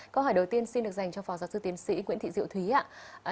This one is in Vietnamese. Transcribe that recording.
câu hỏi đầu tiên xin được dành cho phó giáo sư tiến sĩ nguyễn thị diệu thúy ạ